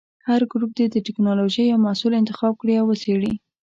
هر ګروپ دې د ټېکنالوجۍ یو محصول انتخاب کړي او وڅېړي.